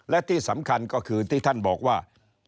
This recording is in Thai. และที่สำคัญก็คือที่ท่านบอกว่า